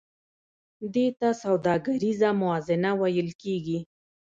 دې ته سوداګریزه موازنه ویل کېږي